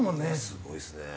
すごいですね。